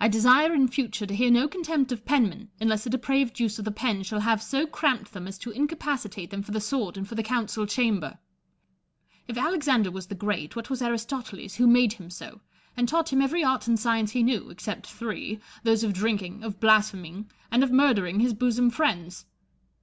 I desire in future to hear no contempt of penmen, unless a depraved use of the pen shall have so cramped them as to incapacitate them for the sword and for the Council Chamber. If Alexander was the Great, what was Aristoteles who made him so, and taught him every art and science he knew, except three, — those of drinking, of blaspheming, and of murdering his bosom friends